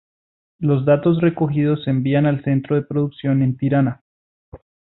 Los datos recogidos se envían al centro de producción en Tirana.